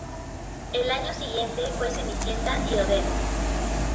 El año siguiente fue Cenicienta y Odette.